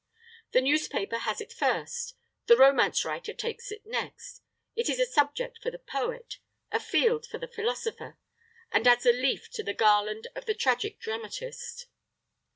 The newspaper has it first; the romance writer takes it next; it is a subject for the poet a field for the philosopher; and adds a leaf to the garland of the tragic dramatist.